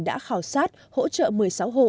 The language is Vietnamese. đã khảo sát hỗ trợ một mươi sáu hộ